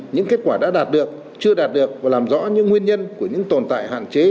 những kết quả đã đạt được chưa đạt được và làm rõ những nguyên nhân của những tồn tại hạn chế